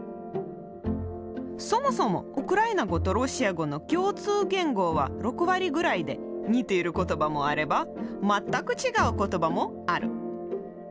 そもそもウクライナ語とロシア語の共通言語は６割ぐらいで似ている言葉もあれば全く違う言葉もある。